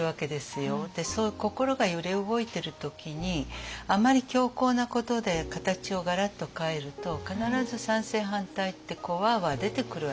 そういう心が揺れ動いてる時にあまり強硬なことで形をガラッと変えると必ず賛成反対ってわあわあ出てくるわけですよね。